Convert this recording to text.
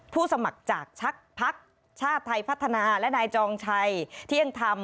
สมัครจากชักพักชาติไทยพัฒนาและนายจองชัยเที่ยงธรรม